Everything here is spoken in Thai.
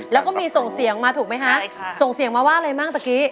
แล้วก็มีส่งเสียงมาถูกไหมคะส่งเสียงมาว่าอะไรบ้างตะกี้